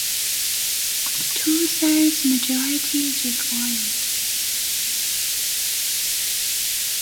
Two-thirds majority is required.